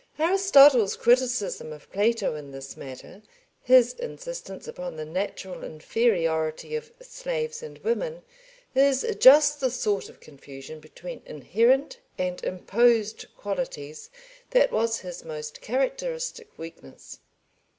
Aristotle's criticism of Plato in this matter, his insistence upon the natural inferiority of slaves and women, is just the sort of confusion between inherent and imposed qualities that was his most characteristic weakness.